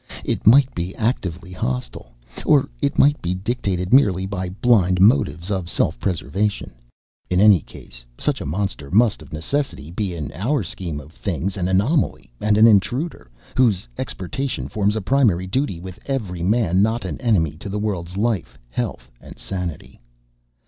It might be actively hostile, or it might be dictated merely by blind motives of self preservation. In any case such a monster must of necessity be in our scheme of things an anomaly and an intruder, whose extirpation forms a primary duty with every man not an enemy to the world's life, health, and sanity.